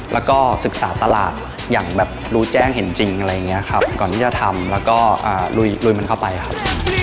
แล้วก็ศึกษาตลาดอย่างแบบรู้แจ้งเห็นจริงอะไรอย่างนี้ครับก่อนที่จะทำแล้วก็ลุยมันเข้าไปครับ